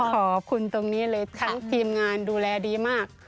ขอบคุณตรงนี้เลยทั้งทีมงานดูแลดีมาก